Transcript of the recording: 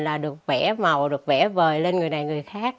là được vẽ màu được vẽ vời lên người này người khác